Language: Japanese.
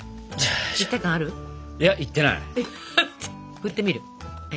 ふってみる？